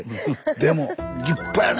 でも立派やね